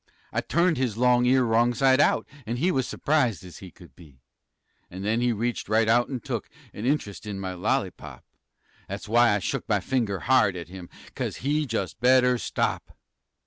I turned his long ear wrong side out An' he was s'rprised as he could be! An' nen he reached right out an' took An' int'rest in my lolly pop That's w'y I shook my finger hard At him, 'cause he jus' better stop.